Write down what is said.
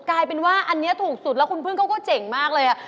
กลายเป็นว่าอันนี้ถูกสุดแล้วคุณพึ่งเขาก็เจ๋งมากเลย